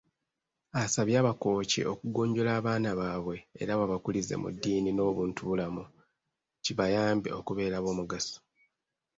Asabye Abakooki okugunjula abaana baabwe era babakulize mu ddiini n'obuntu bulamu kibayambe okubeera ab'omugaso.